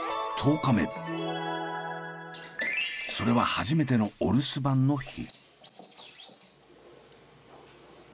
それは初めてのお留守番の日。